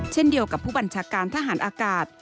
เช่นเดียวกับผู้บัญชาการทหารอากาศ